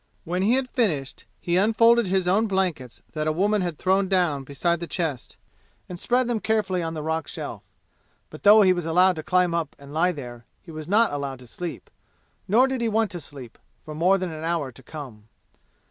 When he had finished he unfolded his own blankets that a woman had thrown down beside the chest and spread them carefully on the rock shelf. But though he was allowed to climb up and lie there, he was not allowed to sleep nor did he want to sleep for more than an hour to come.